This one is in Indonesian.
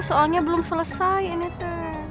soalnya belum selesai ini tuh